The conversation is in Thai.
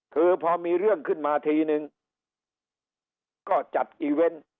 คือพอมีเรื่องขึ้นมาทีนึงก็จัดอีเวนต์